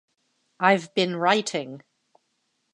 I've been writing.